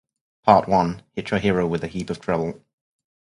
Part one, hit your hero with a heap of trouble.